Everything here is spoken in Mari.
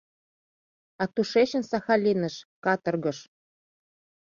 А тушечын Сахалиныш, каторгыш.